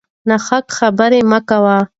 ناحق خبرې مه کوئ.